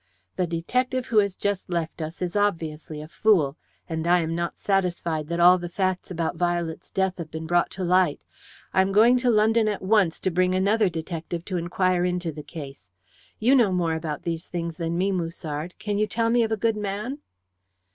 The detective who has just left us is obviously a fool, and I am not satisfied that all the facts about Violet's death have been brought to light. I am going to London at once to bring another detective to inquire into the case. You know more about these things than me, Musard can you tell me of a good man?"